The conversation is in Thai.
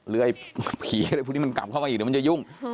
ไอ้ผีอะไรพวกนี้มันกลับเข้ามาอีกเดี๋ยวมันจะยุ่ง